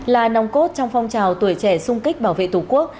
là nòng cốt trong phong trào tuổi trẻ sung kích bảo vệ tổ quốc